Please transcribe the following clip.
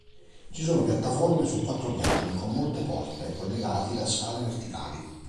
Ci sono piattaforme su quattro piani con molte porte, collegati da scale verticali.